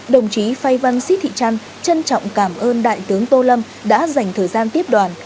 đồng chí phai van sít thị trăn trân trọng cảm ơn đại tướng tô lâm đã dành thời gian tiếp đoàn